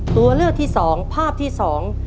ตัวเลือกที่สองภาพที่สอง